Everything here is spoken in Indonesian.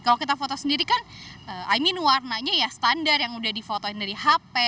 kalau kita foto sendiri kan i mean warnanya ya standar yang udah di fotoin dari hp